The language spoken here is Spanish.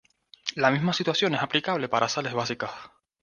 La misma situación es aplicable para sales básicas.